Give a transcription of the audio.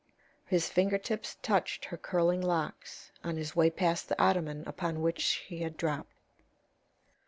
His finger tips touched her curling locks on his way past the ottoman upon which she had dropped.